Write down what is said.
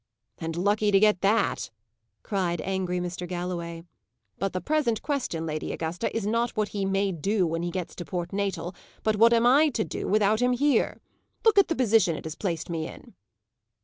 "And lucky to get that!" cried angry Mr. Galloway. "But the present question, Lady Augusta, is not what he may do when he gets to Port Natal, but what am I to do without him here. Look at the position it has placed me in!"